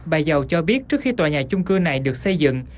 bà giàu cho biết trước khi tòa nhà chung cư này được xây dựng